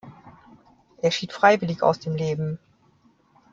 Er schied freiwillig aus dem Leben.